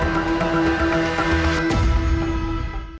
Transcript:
tim deputan cnn indonesia